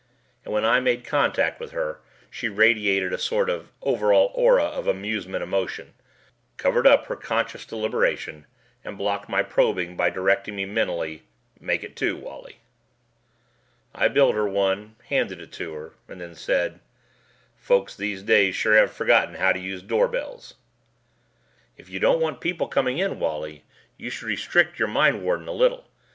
And when I made contact with her, she radiated a sort of overall aura of amusement emotion, covered up her conscious deliberation, and blocked any probing by directing me mentally, "Make it two, Wally." I built her one, handed it to her, and then said, "Folks these days sure have forgotten how to use doorbells." "If you don't want people coming in, Wally, you should restrict your mindwarden a little.